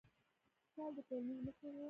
خوشال د ټولو مشر و.